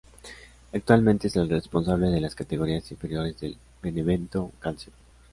Actualmente es el responsable de las categorías inferiores del Benevento Calcio.